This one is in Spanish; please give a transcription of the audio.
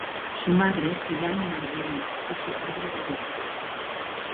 Su madre se llama Marjorie y su padre, David.